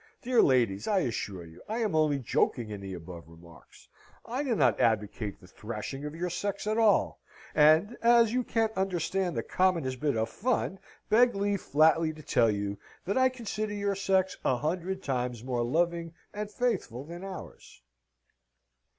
Dear ladies! I assure you I am only joking in the above remarks, I do not advocate the thrashing of your sex at all, and, as you can't understand the commonest bit of fun, beg leave flatly to tell you, that I consider your sex a hundred times more loving and faithful than ours.